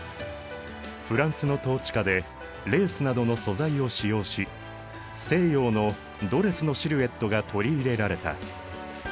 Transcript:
フランスの統治下でレースなどの素材を使用し西洋のドレスのシルエットが取り入れられた。